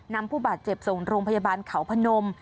ผู้บาดเจ็บส่งโรงพยาบาลเขาพนม